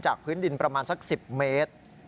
พื้นดินประมาณสัก๑๐เมตร